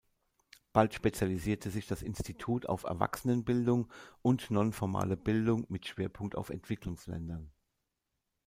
Bald spezialisierte sich das Institut auf Erwachsenenbildung und non-formale Bildung, mit Schwerpunkt auf Entwicklungsländern.